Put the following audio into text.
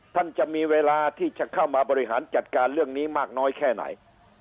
จะมีเวลาที่จะเข้ามาบริหารจัดการเรื่องนี้มากน้อยแค่ไหน